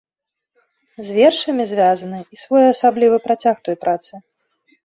З вершамі звязаны і своеасаблівы працяг той працы.